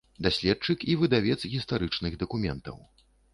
Даследчык і выдавец гістарычных дакументаў.